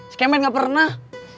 skemet gak pernah